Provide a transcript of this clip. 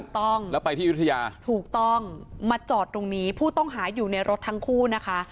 ถูกต้องแล้วไปที่ยุธยาถูกต้องมาจอดตรงนี้ผู้ต้องหาอยู่ในรถทั้งคู่นะคะ